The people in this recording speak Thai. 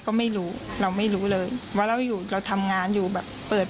ก็ไม่รู้เราไม่รู้เลยว่าเราอยู่เราทำงานอยู่แบบเปิด